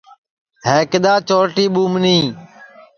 ہے کِدؔا چورٹی ٻُومنیں